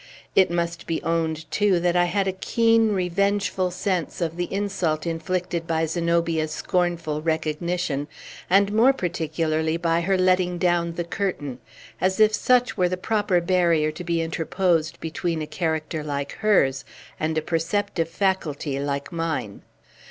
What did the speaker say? It must be owned, too, that I had a keen, revengeful sense of the insult inflicted by Zenobia's scornful recognition, and more particularly by her letting down the curtain; as if such were the proper barrier to be interposed between a character like hers and a perceptive faculty like mine.